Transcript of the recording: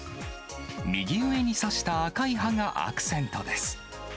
右上に差した赤い葉がアクセントです。